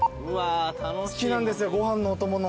好きなんですよご飯のお供の。